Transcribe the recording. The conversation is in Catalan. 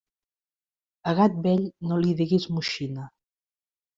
A gat vell, no li diguis moixina.